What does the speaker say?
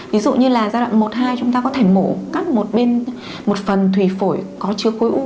ví dụ như là giai đoạn một hai chúng ta có thể mổ cắt một phần thủy phổi có chứa khối u